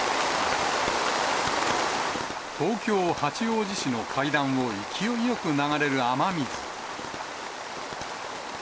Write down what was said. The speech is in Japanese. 東京・八王子市の階段を勢いよく流れる雨水。